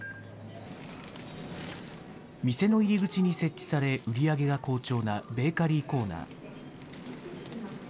店の入り口に設置され、売り上げが好調なベーカリーコーナー。